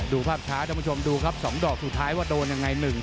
ดูภาพช้าดูครับ๒ดอกสุดท้ายว่าโดนยังไง